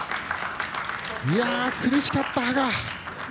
苦しかった、羽賀。